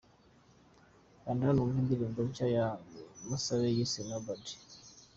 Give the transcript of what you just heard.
Kanda hano wumve indirimbo nshya ya Musabe yise 'Nobody'.